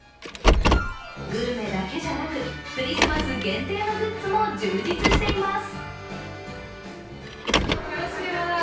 グルメだけじゃなくクリスマス限定のグッズも充実しています。